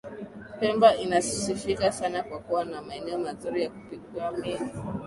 Pemba inasifika sana kwa kuwa na maeneo mazuri ya kupigambizi